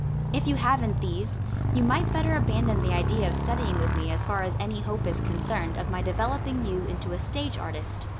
If you haven't these, you might better abandon the idea of studying with me as far as any hope is concerned of my developing you into a stage artist.